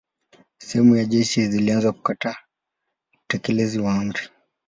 Sehemu za jeshi zilianza kukataa utekelezaji wa amri.